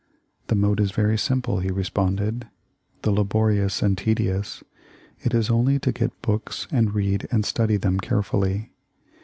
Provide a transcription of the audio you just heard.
'The mode is very simple," he responded, "though laborious and tedious. It is only to get books and read and study them carefully.